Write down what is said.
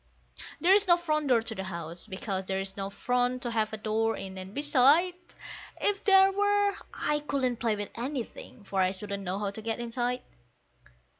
There's no front door to the house, because there's no front to have a door in, and beside, If there were, I couldn't play with anything, for I shouldn't know how to get inside.